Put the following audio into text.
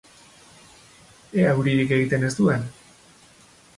Ea euririk egiten ez duen!